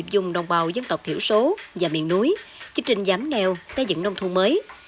dùng đồng bào dân tộc thiểu số và miền núi chương trình giám nghèo xây dựng nông thu mới